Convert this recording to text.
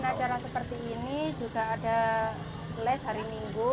selain acara seperti ini juga ada kelas hari minggu